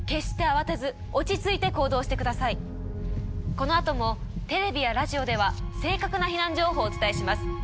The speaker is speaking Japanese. このあともテレビやラジオでは正確な避難情報をお伝えします。